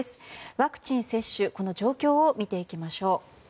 ワクチン接種この状況を見ていきましょう。